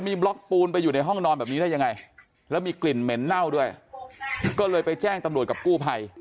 มีกลิ่นเหม็นเน่าด้วยก็เลยไปแจ้งตำรวจกับกู้ไพ